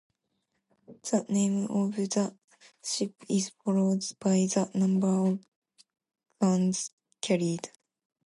The name of the ship is followed by the number of guns carried.